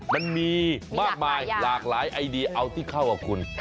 มันมีมากมายหลากหลายไอเดียเอาที่เข้ากับคุณ